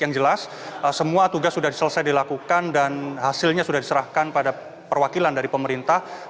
yang jelas semua tugas sudah selesai dilakukan dan hasilnya sudah diserahkan pada perwakilan dari pemerintah